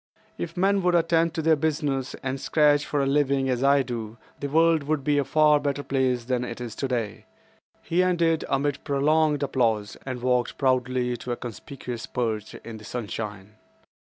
"If men would attend to their business and scratch for a living as I do, the world would be a far better place than it is today." He ended amid prolonged applause, and walked proudly to a conspicuous perch in the sunshine.